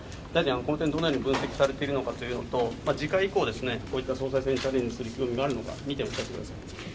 この辺、どのように分析されてるのかということと次回以降、総裁選にチャレンジする気持ちはあるのか、２点お聞かせください。